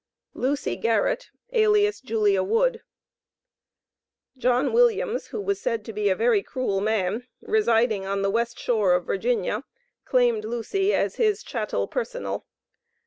LUCY GARRETT, alias JULIA WOOD. John Williams, who was said to be a "very cruel man," residing on the Western Shore of Va., claimed Lucy as his chattel personal.